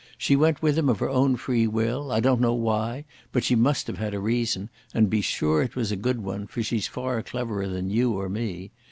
She went with him of her own free will. I don't know why, but she must have had a reason, and be sure it was a good one, for she's far cleverer than you or me....